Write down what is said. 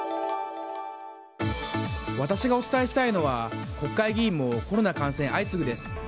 私がお伝えしたいのは国会議員もコロナ感染相次ぐです。